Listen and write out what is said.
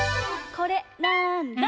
これなんだ？